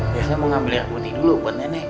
ustadz saya mau ambil yakulti dulu buat nenek